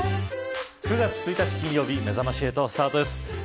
９月１日金曜日めざまし８スタートです。